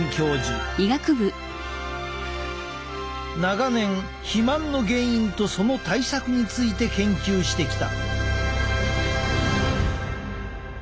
長年肥満の原因とその対策について研究してきた。